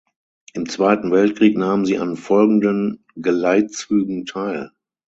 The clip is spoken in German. Im Zweiten Weltkrieg nahm sie an folgenden Geleitzügen teil.